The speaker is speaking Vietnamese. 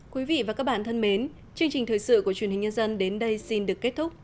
quý vị và các bạn thân mến chương trình thời sự của truyền hình nhân dân đến đây xin được kết thúc